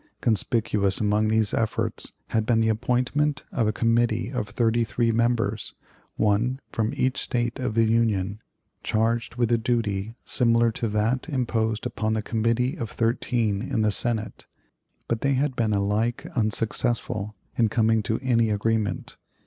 Conspicuous among these efforts had been the appointment of a committee of thirty three members one from each State of the Union charged with a duty similar to that imposed upon the Committee of Thirteen in the Senate, but they had been alike unsuccessful in coming to any agreement.